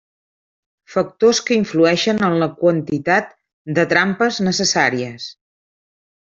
Factors que influïxen en la quantitat de trampes necessàries.